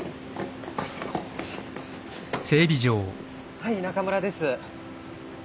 はい中村です。